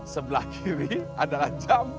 sebelah kiri adalah jam